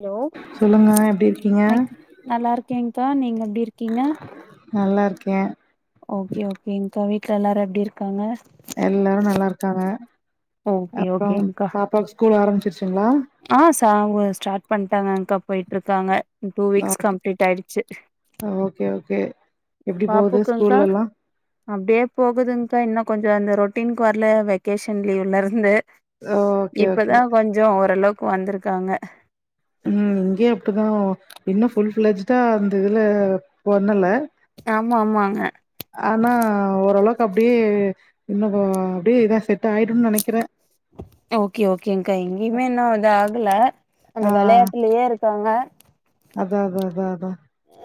Hello சொல்லுங்க, எப்டி இருக்கீங்க? நல்லா இருக்கேங்கா நீங்க எப்டி இருக்கீங்க நல்லா இருக்கே ஓகே ஓகேங்க்கா வீட்ல எல்லாரு எப்டி இரு காங்க எல்லாரு நல்லாருக்காங்க ஓகே அப்றோ ஓகேங்க்கா பாப்பாவுக்கு ஸ்கூல் ஆரம்பிச்சுருச்சிங்ளா ஆ சாங்கோ ஸ்டார்ட் பண்ட்டாங்க அகா பொயிட்ருக்காங்க டூ வீக்ஸ் ஓகே, கம்ப்ளீட் ஆயிடுச்சு ஓகே ஓகே எப்டி போகுது பாப்புக்குன்தா ஸ்கூல்லலாம்? அப்டியே போகுதுங்கா இன்னு கொஞ்சோ அந்த ரொட்டீனுக்கு வரல வெக்கேஷன் லீவ்ல இருந்து ஓகே, ஓகே. இப்பதா கொஞ்சோ ஓரளவுக்கு வந்துருக்காங்க ம் இங்கேயு அப்டிதா இன்னு ஃபுல் ஃபில்ஜ்டா அந்த இதுல பண்ணல ஆமா ஆமாங்க ஆனா ஓரளவுக்கு அப்டியே இன்னு அப்டியே இதா செட் ஆயிடுன் நெனக்கிறே ஓகே ஓகேங்கா எங்கயுமே இன்னு இது ஆகல அந்த வெளையாட்டுலயே இருக்காங்க அதா அதா அதா அதா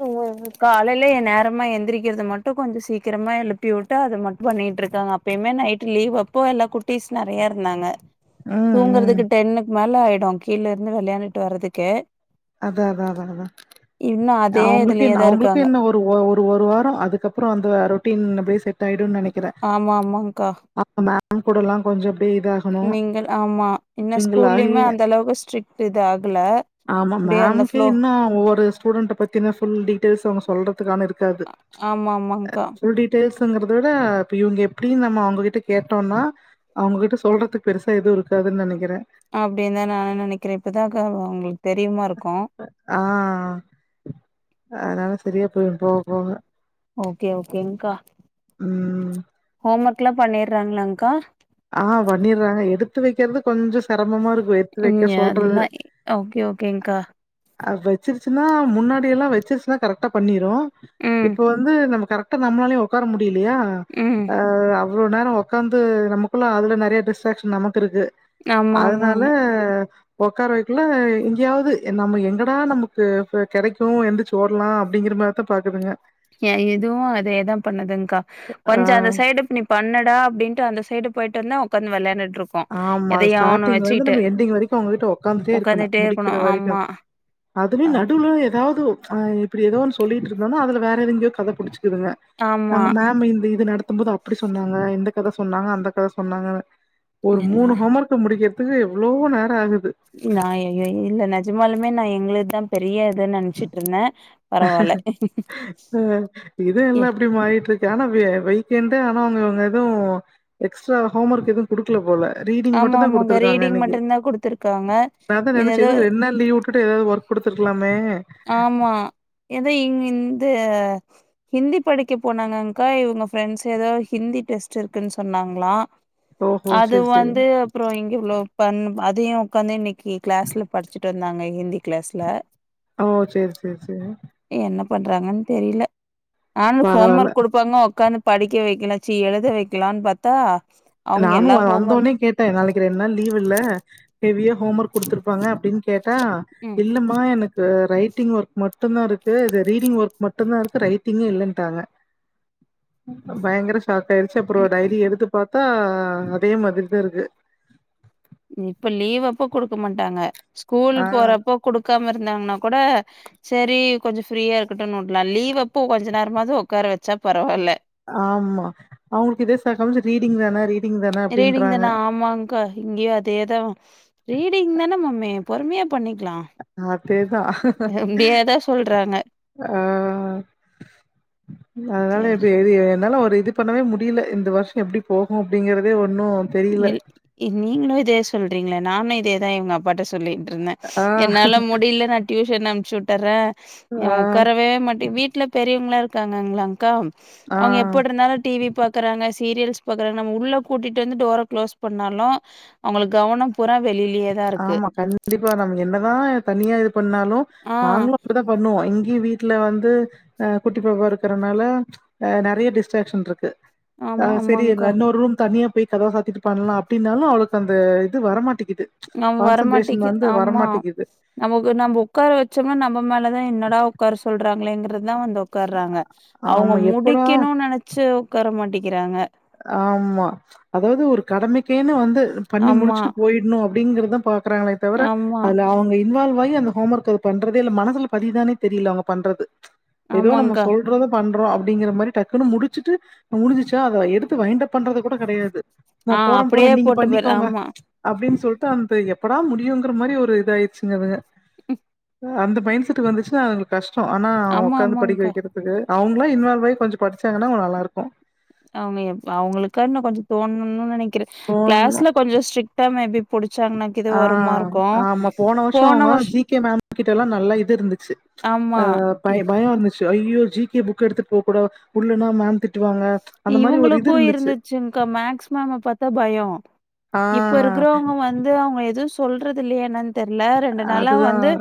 உ வ காலையில எ நேரமா எந்திரிக்கிறது மட்டு கொஞ்ச சீக்கிரமா எழுப்பி விட்டு அத மட்டு பண்ணிட்ருக்காங்க அப் எப்பயுமே நைட் லீவ் அப்போ எல்லா குட்டிஸ் நெறையா இருந்தாங்க ம், ம். தூங்குறதுக்கு டென்னுக்கு மேல ஆயிடு கீழ இருந்து வெளையாண்டுட்டு வர்றதுக்கு அதா அதா அதா அதா இன்னு அதே அவுங்களுக்கே என் இதுலயேதா அவுங்களுக்கு இருக்காங்க என்ன ஒரு ட்டு ஒ ஒரு ஒரு வாரோ அதுக்கப்பறோ அந்த ரொட்டீன் அப்டியே செட் ஆயிடுன் நெனைக் ஆமா ஆமாங்க்கா பாப்போ மே ம் கூடலெல்லா கொஞ்ச அப்டியே இதா மிங்கிள் ஆமா இன்ன ஆகி ஸ்கூல்லயுமே அந்த அளவுக்கு ஸ்ட்ரிக்ட் இது ஆகல ஆமாம் அப்டியே அந்த மேம்கே ஃப்ளோ இன்னு ஒவ்வொரு ஸ்டூண்ட்ட பத்தின ஃபுல் டீயல்ஸ் அவுங்க சொல்றதுக்கான இருக் க்காது ஆமா ஆமாங்க்கா ஃபுல் டீட் டெயில்ஸுங்குற விட இப்ப இவாங்க எப்டினு நம்ம அவுங்ககிட்ட கேட்டோன்னா அவுங்ககிட்ட சொல்றதுக்கு பெருசா எதுவு இருக்காதுன் நெனைக்கிறே அப்டின் தா நானு நெனைக்கிறே இப்பதாக்கா அ அவுங்களுக்கு தெரியுமா இருக்கு ஆ அதுனால செரியா போய்டு போ போன்னு ஓகே ஓகேங்க்கா ம் ஹோம் ஒர்க்ல்லா பண்ணிர்றாங்களாக்கா ஆ பண்ணிட்றாங்க எடுத்து வைக்கிறது கொஞ்சோ சிரமமா இருக்கு எடுத்து ம் வெக்க சொல்றது எல்லா ஓகே ஓகேங்க்கா அ வச்சுருச்சுன்னா முன்னாடி எல்லா வச்சுருச்சுன்னா கரெக்டா பண்ணிரு ம், இப்ப வந்து நம்ம கரெக்ட் ட்டா நம்மளாலையு ஒக்கார முடியலையா ம். அ அவ்ளோ நேரோ உக்காந்து நமக் குல்லா அதுல நெறைய டிஸ்ட்ராக்ஷன் நமக்கு இருக்கு ஆமா, அதுனால ஆமாங்க. ஒக்கார வைக்குள்ள இங்கேயாவது நம்ம எங்கடா நமக்கு கெடைக்கு எந்துர்ச்சு ஓட்லா அப்டிங்கிற மார் ர்த்த பாக்குதுங்க ஏ இதுவு அது எதா பண்ணதுங்க்கா ஆ கொஞ்ச அந்த சைடுப்ப பிண் பண்ணடா அப்டின்டு அந்த சைடு பொயிட்டு வந்தே உக்கார் நீ வெளையாண்டுட்ருக்கு ஆமா ஸ்டார்டிங்ல இருந்து நம்ம எண்டிங் வரைக்கு அவுங்க கிட்ட உக்காந்துட்டே இருக்கணு உட்காந்துட்டே இருக்கணும். முடிக்கிற வரைக்கு ஆமா, அதுலயு அப் நடுவுல எதாவது ஆ இப்டி எதோ ஒன்று சொல்லிட் இருந்தோன்னா அதுல வேற எதுங்கயோ கத புடுச்சுக்குதுங்க ஆமா. அங்க மேம் இந்த இது நடத்தும்போது அப்புடி சொன்னாங்க இந்த கத சொன்னாங்க அந்த கத சொன்னாங்கனு ஒரு மூணு என்னா ஹோமர்க்க முடிக்கிறதுக்கு எவ்ளோ நேரோ ஆகுது நா எ இல்ல நெஜமாலுமே நா எங்ளுத்தா பெரிய இதுன்னு நெனச்சிட்ருந்தே அ இது எ எல்லா அப்டி மாறிட்ருக்கு ஆனா வி வைக்கண்டு ஆனா அவங்கவங்க எது எக்ஸ்ட்ரா ஹோம்வொர்க் எது குடுக்கல போல ரீடிங் ஆமா, மட்டுந்தா ஆமாங்க. குடுத்துருக்காங்க ரீடிங் அன்னைக்கு மட்டும் தான் குடுத்துருக்காங்க. அதா இது நெனச்ச ஏதோ எதுக்கு ரெண்டு நாள் லீவுட் டு எதாவுது வொர்க் குடுத்துருக்கலாமே ஆமா ஏத இங் இந்த ஹிந்தி படிக்க போனாங்கங்க்கா இவுங்க ஃப்ரெண்ட்ஸ் எதோ ஹிந்தி டெஸ்ட் இருக்குன்னு சொன்னாங்களா ஓஹோ அது செரி செரி வந்து அப்ரோ இங்க இவ்ளோ பண் அதையு உக்காந்து இன்னைக்கி கிளாஸ்ல படுச்சிட்ருந்தாங்க ஹிந்தி கிளாஸ்ல ஓ செரி செரி செரி என்ன பண்றாங்கன் தெரில நானு ஹோம் பரவால்ல ஒர்க் குடுப்பாங்க உக்காந்து படிக்க வெக்கலா சி எழுத வெக்கலான்னு பாத்தா அவங்க நானு எல்லா ஹோம் ஒர்க் வந்தொன்ன கேட்ட நாளைக்கு ரெண்டு நாள் லீவ்வுல்ல ஹெவியா ஹோம் ஒர்க் குடுத்துருப்பாங்க அப்டின்னு கே கேட்டா ம் இல்லமா எனக் ரைட்டிங் ஒர்க் மட்டுந்தா இருக்கு ரீடிங் ஒர்க் மட்டும்தா இருக்குது ரைட்டிங்கே இல்லன்ட்டாங்க ம் பயங்கர ஷாக் ஆயிருச்சு அப்பரோ ம் டைரி எடுத்து பாத்தா அதே மாதிரிதா இருக்கு இப்ப லீவ் அப்ப கொடுக்க மாட்டாங்க ஸ்கூல் ஆ போறப்போ குடுக்காம இருந்தாங்கன்னா கூட சரி கொஞ்சோ ஃப்ரீயா இருக்கட்டுன்னு உட்லா லீவ் அப்போ கொஞ்ச நேரமாது உக்கார வெச்சா பரவால்ல ஆமா அவுங்களுக்கு இதே சாக்காடுன்னு சொல்லி ரீடிங் வேனா ரீ ரீடிங் தானா ஆமாங் கா இங்யு அதேதா ரீடிங் தானே மம்மி பொறுமையா பண்ணிக்லா அதேதா சொல்றாங்க அ அதனால சேர் இப்ப எது என்னால ஒரு இது பண்ணவே முடில இந்த வர்ஷோ எப்டி போகு அப்டிங்றதே ஒன்னு தெரியல இ நீங்களு இதே சொல்றீங்களே நானு இதேதா இவங்க அப்பாட்ட சொ சொல்லிட்ருந்த ஆ என்னால முடில நா டியூஷன் அனுப்ச்சு உட்டர்ற ஆ உக்காரவே மாட்ட வீட்ல பெரியவங்களா இருக்காங்ளங்ளாங்க்கா ஆ அவுங்க எப்பட்ருந்தாலு டிவி பா க்கறாங்க சீரியல்ஸ் பாக்கறாங்க நம்ம உள்ள கூட்டிட்டு வந்து டோர க்ளோஸ் பண்ணாலு அவங்களுக்கு கவனோ பூரா வெளிலயேதா இருக்கு ஆமா கண்டிப்பா நம் என்னதா தனியா இது பண்ணாலு ஆ நாங்களு இப்டிதா பண்ணுவோ இங்கியு வீட்ல வந்து அ குட்டிப்பாப்பா இருக்கறனால அ நெறைய டிஸ்ட்ரேக்க்ஷன்ருக்கு ஆ ஆமா செரி ஆமாங்க்கா அன்னொரு ரூம் தனியா போயி கதவ சாத்திட்டு பண்லா அப்டினாலு அவளுக்கு அந்த இது வரமாட்டிகுது நா வரமாட்டிக்குது ஆமா நமக்கு நம்ப உக்கார வெச்சம்னா நம்ம மேலதா என்னடா உக்கார சொல்றாங்களேங்கறதுதா வந்து உ உக்கார்றாங்க அவுங்க ஆமா. எப்படா முடிக்கனு நெனச்சு உக்கார மாட்டிக்கிறாங்க ஆமா அதாவது ஒரு கடமைக்கேனு வந்து பண்ணி ஆமா, முடிச்சுட்டு போய் னு அப்பிடிங்கறதா பாக்கறாங்களே தவர ஆமா, அதுல அவுங்க இன்வால்வ் ஆகி அந்த ஹோம் ஒர்க் அது பண்றதே இல்ல மனசுல பதியுதானே தெரில அவுங்க பண்றது ஏதோ நம்ம ஆமாங்க்கா. சொல் சொல்றத பண்றோ அப்புடிங்கற மாரி டக்குன்னு முடிச்சுட்டு முடிஞ்சிச்சா அத எடுத்து வய்ண்டப் பண்றது கூட கெடையாது நா ஆ போற போற அப்படியே நீங்க போட்டு போயிரு பண்ணிக்கோங்க ஆமா, அப்டின்னு சொல்ட்டு அந்த எப்படா முடியுங்கற மாரி ஒரு இது ஆயிருச்சுங்க அது ம் அந்த மைண்ட் செட் வந்துச்சுன்னா அது அவங்ளுக்கு கஷ்டோ ஆனா அவ ஆமா, உட்காந்து படிக்க ஆமாங்க்கா. வைக்கிறது க்கு அவங்களா இன்வால்வ் ஆகி கொஞ்சோ படிச்சாங்கன்னா அவங்க நல்லா இருக்கு அவங்கப் அவங்களுக்கா இன்னு கொஞ்சு தோணுனு நெனைக்கிறே போன கிளாஸ்ல கொஞ்சு ஸ்ட்ரிக்டா மேபி புடிச்சாங்கன்னாக்கு இது ஆ வருமா இருக்கு ஆமா வருஷம் போன அவங்க வருஷோ ஜி கே மேம் கிட்டல்லா நல்லா இது இருந்துச்சு ஆமா இ- பயோ பயோ இருந்துச்சு ஐயோ ஜி கே புக் எடுத்துட்டு போக கூடா இல்லனா மேம் திட் இவங்களுக்கு இருந்துச்சுங்கா மேக்ஸ் மேம்ம பாத்தா பயோ ஆ இப்ப இருக்கிறவங்க வந் வந்து அவங்க எது சொல்றது இல்லையா என்னன்னு தெரியல ரெண்டு நாளா வந்து அதுதான்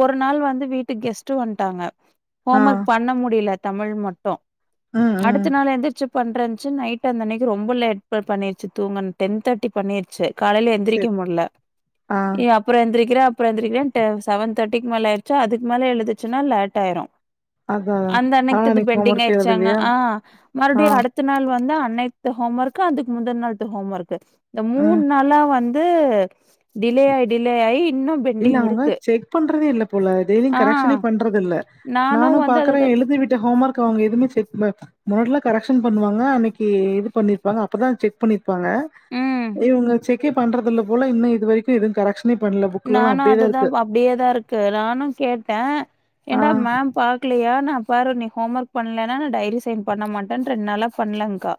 ஒரு நாள் வந்து வீட்டுக்கு கெஸ்ட்டு வந்துட்டாங்க ஆ ஹோம் ஒர்க் பண்ண முடியல தமிழ் மட்டு ம் அடுத்த ம் நாள் எந்து பண்றனுச்சு நைட் அந்தன்னிக்கு ரொம்ப லேட் பண்ணிருச்சு தூங்க டென் தேர்டி பண்ணிருச்சு காலையில சரி எந்திரிக்க முடில ஆ எ அப் அப்புறோ எந்திரிக்கிறே அப்றோ எந்திரிக்கிறேன்டு செவன்ர்டிக்கு மேல ஆயிரிச்சா அதுக்கு மேல எழுதுச்சுன்னா லேட் ஆயிரு அதா அதா அந்த ஆனா அன்னைக்குத்தது இன்னைக்கு ஹோம் பெண்டிங் ஒர்க் ஆயிருச்சாங்க எழுதலையா ஆ ஆ மறுபடியு அடுத்த நாள் வந்து அன்னைத்து ஹோம்மர்க்கு அதுக்கு முந்தன நாள்த்தது ஹோம்வர்க்கு இந்ந மூணு ம் நாளா வந்து டிலே ஆயி டிலே ஆயி இன்னு இல்ல அவங்க செக் பண்றதே இல்ல போல டெய்லயு ஆ கரெக்ஷனே பண்றது இல்ல நானு நானும் வந்து பாக்குறே அதது எழுதிவிட்டு ஹோம் ஒர்க் அவங்க எதுவுமே செக் பண் முன்னாடிலா கரெக்ஷன் பண்ணுவாங்க அன்னைக்கு இது பண்ணிருப்பாங்க அப்பதா செக் பண்ணி ருப்பாங்க ம். இவங்க செக்கே பண்றது இல்ல போல இன்னு இது வரைக்கு எதுவு கரெக்ஷனே பண்ணல புக்லலா நானு அப்டியேதா அதுதா இருக்கு அப்படியேதா இருக்கு நானு கேட்டே ஆ ஏடா மேம் பாக் க்லியா நா பாரு நீ ஹோம் ஒர்க் பண்ணலனா நா டைரி சைன் பண்ண மாட்டே ரெண்டு நாளா பண்ணலங்கா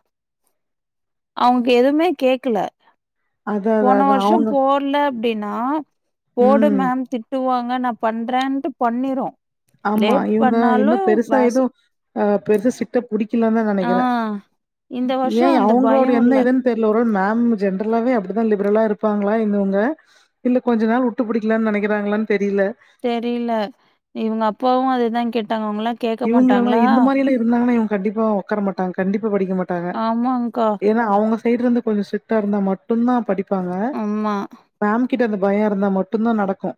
அவங்க எதுவுமே கேக்கல அதா அதா போன அதா வருஷோ அவங்க போ இல்ல அப்படினா போடு ம் மேம் திட்டுவாங்க நா பண்றேன்ட்டு பண்ணிரு ஆமா இவங்க இன்னு பெருசா வாஸ் எது ஆ பெருசா சிரிட்டா புடிக்கலேன்தா ஆ நெனைக்கிறே இந்த வருஷோ ஏ அந்த அவங்களோட பயோ இல்ல என்ன இதுன்னு தெரிய இ ஒரு மேம் ஜென்ரலாவே அப்படிதா லிபரலா இருப்பாங்களா இந்தவங்க இல்ல கொஞ்ச நாள்வுட்டு புடிக்கலான்னு நெனைக்கிறாங்களான்னு தெரியல தெரியல இவங்க அப்பாவு அதேதா கேட்டாங்க அவங்களா இவங்கள எல்லா இந்த மாரி எல்லா இருந்தாங்கன்னா இவங்க கண்டிப்பா உக்கார மாட்டாங்க கண்டிப்பா படிக்க மாட்டாங்க ஆமாங்க்கா ஏன்னா அவங்க சைடு இருந்து கொஞ்சோ ஸ்ரிட்டா இருந்தா மட்டு தா படிப்பாங்க ஆமா மேம் கிட்ட அந்த பயோ இருந்தா மட்டு தா நடக்கு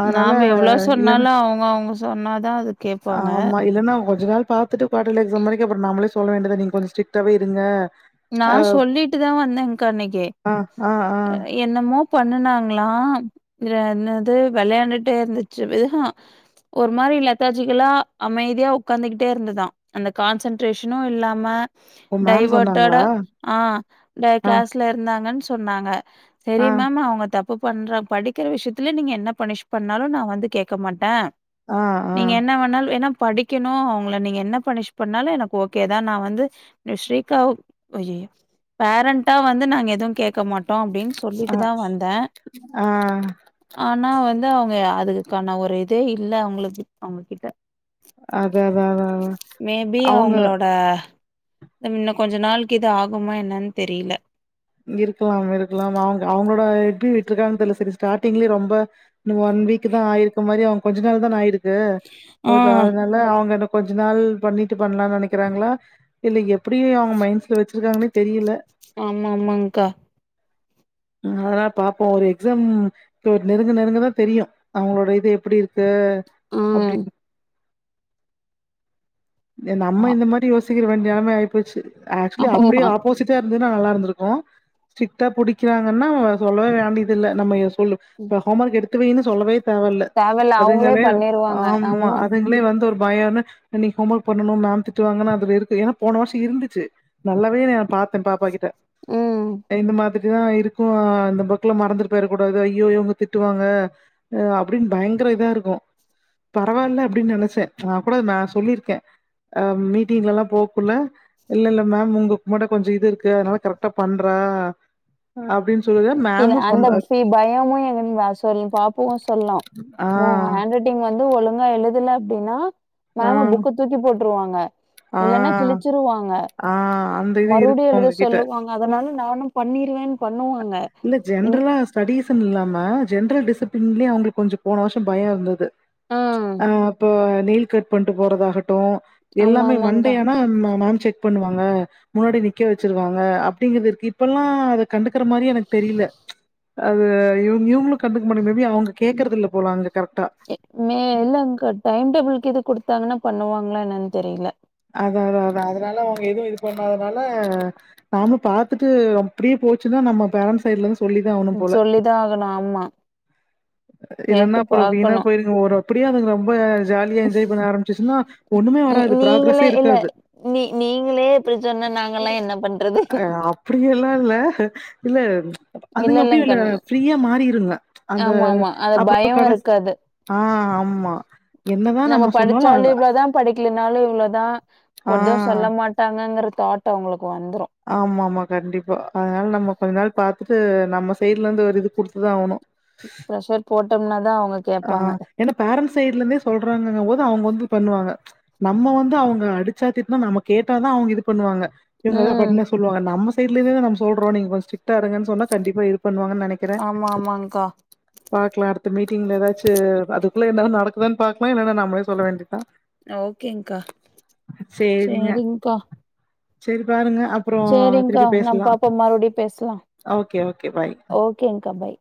அதனால நாம எவ்ளோ இல்லன்னா சொன்னாலு அவங்க அவங்க சொன்னாதா அது கேப்பாங்க ஆமா இல்லன்னா கொஞ்சு நாள் பா பாத்துட்டு கோட்டேலி எக்ஸாம் வரைக்கு நாமளே சொல்ல வேண்டியது நீங்க கொஞ்சு ஸ்டரிக்டாவவே இருங்க நா அ, சொல்லிட்டு தா வந்தேன் கான அன்னைக்கி ஆ, ஆ, ஆ. என்னமோ பண்ணனாங்களா என்னது வெளையாண்டுட்டே இருந்துச்சு ஒரு மாரி லததாஜிகளா அமைதியா உட்காந்துகிட்டே இருந்ததா அந்த கான்சன்ட்ரேஷனு இல்லாம ஓ மேம் சொன்னாங்க கட ஆ கிளாஸ்ல இருந்தாங்கன்னு சொன்னாங்க செரி ஆ, மேம் அவங்க த தப்பு பண்ற படிக்கிற விஷயத்துல நீங்க என்ன பனிஷ் பண்ணாலு நா வந்து கேக்க மாட்டே ஆ, ஆ, நீங்க என்ன வேண்ணாலு ஏன்னா படிக் கணு அவங்கள நீங்க என்ன பனிஷ் பண்ணாலு எனக்கு ஓகே தா நா வந்து ஸ்ரீகா் ஒய பேரண்டா வந்து நாங்க எதுவு கேக்க மாட் டோ அப்டின்னு சொல்லிட்டு ஆ, தா வந்தே ஆ. ஆனா வந்து அவங்க அதுக்குக்கான ஒரு இதே இல்ல அவங்களுக்கு அவங்ககிட்ட அதான், அதான், அதான். மே பி அவங்க அவங்களோட இன்னு கொஞ்ச நாலுக்கு இது ஆகுமா என்னன்னு தெரியல இருக்கலா இருக்கலா அவங்க அவங்களோட எப்டி விட்டு இருக்காங்க தெரில செரி ஸ்டார்டிங்லயே ரொம்ப இன்னு ஒன் வீக் தா ஆயிருக்க மாரி அவன் கொஞ்ச நாள் தா ஆயிருக்கு ஆ ஒரு நாள் அவங்க கொஞ்ச நாள் பண்ணிட்டு பண்லான்னு நெனைக்கிறாங்களா இல்ல எப்டி அவங்க மைண்ட்ஸில் வெச்சுருக்காங்கன்னே தெரியல ஆமா ஆமாங்கா அதா பாப்போம் ஒரு எக்ஸாம் இப்ப நெருங்க நெருங்கதா தெரியு அவங்களோட இது எப்டி இருக்கு ம் அப்டின்னு ஆ நம்ம இந்த மாரி யோசிக்கிற நெலம ஆகி போச்சு ஆக்சுலி அப்டியே ஆமா. ப்போசிட்டா இருந்துதுன்னா நல்லா இருந்திருக்கு ஸ்ட்ரிக்டா புடிக்காங்கன்னா சொல்லவே வேண்டியதுல்ல நம்ம சொல்ல ம். இப்ப ஹோம் ஒர்க் எடுத்துவைன்னு சொல்லவே தேவல்ல தேவையில்ல அவங்களே அதுங்களே பண்ணிருவாங்க. ஆமா அது ங்களே வந்து ஒரு பயம் என்ன இன்னைக்கு ஹோம்ர்க் பண்ணனு மேம் திட்டு வாங்கன்னா அது இருக்கு ஏன்னா போன வருஷோ இருந்துச்சு நல்லாவே ந பாத்தே பாப்பா கிட்ட ம். இந்த மாதிரி இதுதா இருக்கு அ இந்த புக்கல மறந்துட்டு போய்ர கூடாது ஐயோ இவங்க திட்டுவாங்க அப்டின்னு பயங்கர இதா இருக்கோ பரவாயில்ல அப்டின்னு நெனைச்சேன் நா கூட நா சொல்லியிருக்கே. அ மீட்டிங்ல எல்லா போக்குள்ள இல்ல இல்ல மேம் உங்க உமாட்ட கொஞ்சோ இது இருக்கு அதனால கரெக்டா பண்ற அப்டின்னு அந்த பயமு சொ பாப்பு சொல்லு ஆ, ஊண் ஹன்ரெட் டிங் வந்து ஒழுங்கா எழுதுல அப்டின்னா ஆ, மேம புக்க தூக்கி போட்டுருவாங்க ஆ, இல்ன்னா கிழிச்சிருவாங்க ஆ இது இருக்கு மறுபடியு எழுத உங்ககிட்ட. சொல்லுவாங்க அதனால நானு பண்ணிருவேன்னு பண்ணுவாங்க இல்ல இன் ஜென்ரலா ஸ்டடீஸ்ன்னனு இல்லாம ஜென்ரல் டிசிப்ளின்லேயே அவங்களுக்கு கொஞ்சோ போன வருஷோ பயோ இருந்தது ஆ இப்போ நெல் கட் பண்ணிட்டு போறதாகட்டும் ஆமா எல்லாமே ஆமாங்கா மண்டேயானா மேம் செக் பண்ணுவாங்க முன்னாடி நிக்க வெச்சிருவாங்க அப்டிங்கறதுக்கு இப்பெ எல்லா அதை கண்டுக்கற மாரி எனக்கு தெரியல அது இவ இவங்களும் கண்டுக்க முடியுமம அவங்க கேக்குறத இல்ல போலா அங்க கரெக்டா எ- மே இல்லங்க டைம் டேபிள்க இது குடுத்தாங்கன்னா பண்ணுவாங்களா என்னன்னு தெரியல அத அத அதான் அதனால அவங்க எதுவும் இது பண்ணாதனால நாம பாத்துட்டு அப்டியே போச்சுன்னா நம்ம பேரண்ட்ஸ் சைட்ல இருந்து சொல்லிதான் ஆகணு ஆமா இல்ன்னா கேட்டு அப்றோ வீணா பாக்கணு போயிரு ஒரு அப்படியே அதுங்க ரொம்ப ஜாலியா என்ஜாய் பண்ண ஆரம்பிச்சுச்சுன்னா ஒண்ணுமே நீ ஆராது நீங்களே ப்ராகரஸே இல்ல இருக்காது நீ நீங்களே இப்டி சொன்ன நாங் ஆ அப்டி எல்லாம் இல்ல இல்ல இல்ல அதுங்க அப்படிய இல்லங்கா இ ஃப்ரீயா மாறிருங்க அந்த ஆமா ஆமா அது அப்றோ பயோ கடசி இருக்காது ஆ ஆமா என்ன தான் நம்ம சொன்னாலும் அதான் ஒத்து சொல்ல மாட்டாங்கங்கற தாட் அவங்களுக்கு வந்துரு ஆம்மாமா கண்டிப்பா அதனால நம்ம கொஞ்ச நாள் பாத்துட்டு நம்ம சைட்ல இருந்து ஒரு இது குடுத்துதா ஆவ்ணு ப்ரஷர் போட்டம்னா தா அவங்க ஆ கேப்பாங்க ஏன்னா பேரண்ஸ் சைட்ல இருந்தே சொல்றாங்கங்கு போது அவங்க வந்து பண்ணுவாங்க நம்ம வந்து அவங்க அடிச்சா திட்னா நம்ம கேட்டாதா அவங்க இது பண்ணுவாங்க இவங்க ம் பண்ண சொல்லுவாங்க நம்ம சைடல இருந்தே நம் சொல்றோ நீங்க கொஞ்ச சிட்டா இருங்கன் சொன்னா கண்டிப்பா இது பண்ணுவாங்கன் நனைக்கறறே ஆமா ஆமாங்க்கா பாக்லா அடுத்த மீட்டிங்ல ஏதாச்சி அதுக்குள்ள என்னாது நடக்குதான் பாக்கலா இல்லன்னா நம்ளே சொல்ல வேண்டி தா ஓகேங்கா சேரிங்க செரிங்கா சேரி பாருங்க அப்புறோ சேரி்ங்கா திருப்பி நம் பேசலா பாப்பே மறுபடியு பேஸ்லா ஓகே ஓகே பாய் ஓகேங்கா பாய்